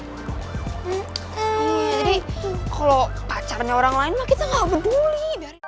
jadi kalo pacarnya orang lain kita gak peduli